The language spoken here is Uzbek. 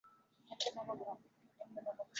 Bu dunyoda deyarli hamma qaror qilishi lozim.